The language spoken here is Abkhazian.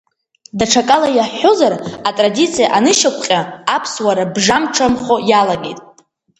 Даҽакала иаҳҳәозар, атрадициа анышьақәҟьа, Аԥсуара бжамҽамхо иалагеит.